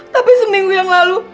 tapi seminggu yang lalu